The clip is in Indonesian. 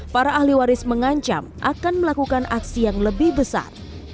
para ahli waris mengancam akan melakukan aksi yang lebih besar